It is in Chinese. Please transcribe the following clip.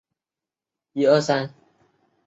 布雷特维尔洛格约斯。